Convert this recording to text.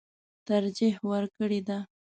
ترجېح ورکړې ده.